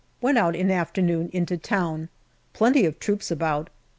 Went out in afternoon into town. Plenty of troops about.